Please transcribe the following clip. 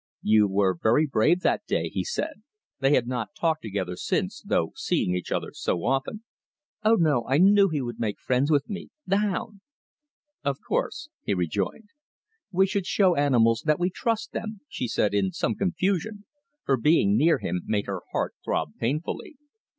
"You were very brave that day," he said they had not talked together since, though seeing each other so often. "Oh, no; I knew he would make friends with me the hound." "Of course," he rejoined. "We should show animals that we trust them," she said, in some confusion, for being near him made her heart throb painfully.